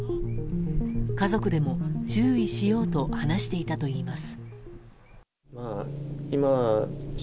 家族でも注意しようと話していたといいます。